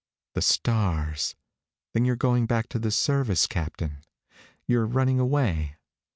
"The stars. Then you're going back to the service, Captain? You're running away?"